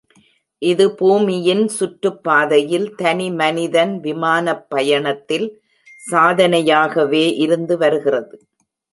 இது பூமியின் சுற்றுப்பாதையில் தனி மனிதன் விமானப் பயணத்தில் சாதனையாகவே இருந்து வருகிறது.